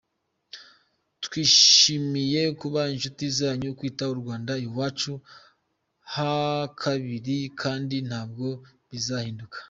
Twishimiye kuba inshuti zanyu, kwita u Rwanda iwacu hakabiri kandi ntabwo bizahinduka.